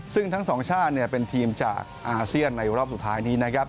ซึ่งทั้งสองชาติเป็นทีมจากอาเซียนในรอบสุดท้ายนี้นะครับ